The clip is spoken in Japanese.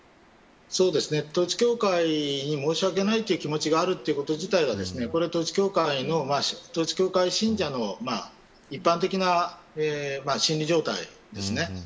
統一教会に申しわけないという気持ちがあるということ自体が統一教会信者の一般的な心理状態ですね。